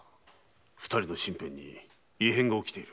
二人の身辺に異変が起きている。